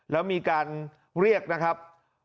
แล้วมีการเรียกนะครับ